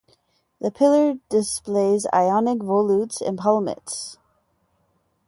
The pillar displays Ionic volutes and palmettes.